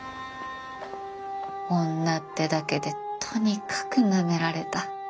女ってだけでとにかくなめられた。